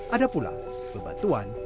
ada pula bebatuan